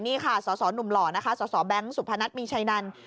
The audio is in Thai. นี่ค่ะสสหนุ่มหล่อนะคะสสแบงค์สุพนัทมีชัยนัน